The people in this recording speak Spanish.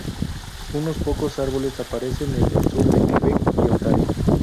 Unos pocos árboles aparecen en el sur de Quebec y Ontario.